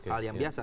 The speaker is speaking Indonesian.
hal yang biasa